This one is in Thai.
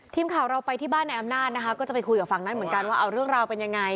ทีมข่าวเราไปที่บ้านนายอำนาจนะคะก็จะไปคุยกับฝั่งนั้นเหมือนกันว่าเอาเรื่องราวเป็นยังไง